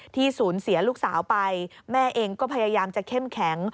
สูญเสียลูกสาวไปแม่เองก็พยายามจะเข้มแข็ง